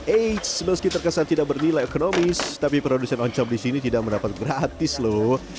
eits meski terkesan tidak bernilai ekonomis tapi produsen oncom di sini tidak mendapat gratis loh